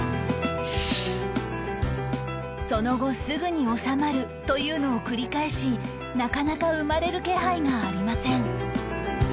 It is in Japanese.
その後すぐに治まるというのを繰り返しなかなか生まれる気配がありません